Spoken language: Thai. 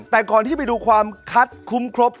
แต่ก่อนที่ไปดูความคัดคุ้มครบ